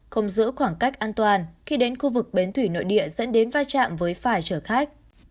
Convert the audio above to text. không giữ khoảng cách an toàn khi đến khu vực bến thủy nội địa dẫn đến vai trạm với phải chở khách